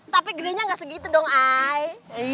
tapi gedenya gak segitu dong i